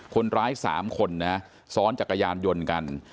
คนร้าย๓คนนะซ้อนจักรยานยนต์กัน